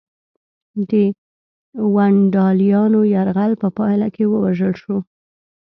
د ونډالیانو یرغل په پایله کې ووژل شو